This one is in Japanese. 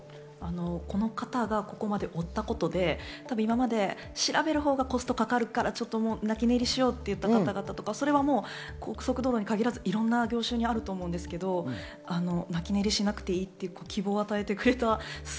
この方がここまで追ったことで今まで調べる方がコストがかかるから泣き寝入りしようという方々とか、高速道路に限らずいろんな業種にあると思うんですけれども、泣き寝入りしなくていいという希望を与えてくれた。